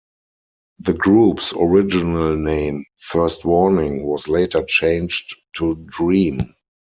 The group's original name, First Warning, was later changed to Dream.